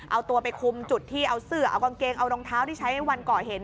เอาตัวไปคุมจุดที่เอาเสื้อเอากางเกงเอารองเท้าที่ใช้วันก่อเหตุ